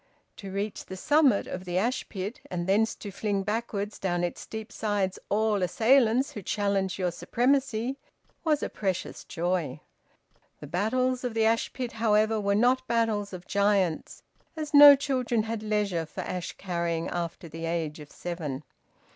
To reach the summit of the ash pit, and thence to fling backwards down its steep sides all assailants who challenged your supremacy, was a precious joy. The battles of the ash pit, however, were not battles of giants, as no children had leisure for ash carrying after the age of seven.